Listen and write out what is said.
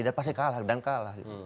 dia pasti kalah dan kalah